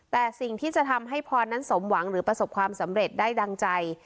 แต่สิ่งที่จะทำให้พรนั้นสมหวังหรือประสบความสำเร็จได้ดังใจ